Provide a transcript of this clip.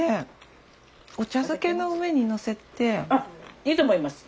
これいいと思います。